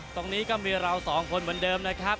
ที่นี่ก็มีเรา๒คนเหมือนเดิมนะครับ